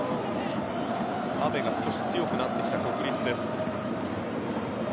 雨が少し強くなってきた国立です。